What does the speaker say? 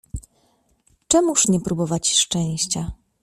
"Czemuż nie popróbować szczęścia?"